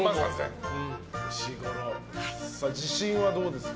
自信はどうですか？